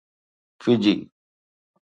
فجي